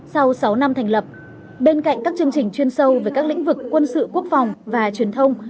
sau sáu năm thành lập bên cạnh các chương trình chuyên sâu về các lĩnh vực quân sự quốc phòng và truyền thông